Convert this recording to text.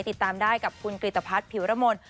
ติดตามได้กับคุณกริตภัทรผิวรมนต์